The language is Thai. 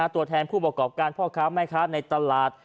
ตัวแทนผู้ประกอบการพ่อค้าแม่ค้าในตลาด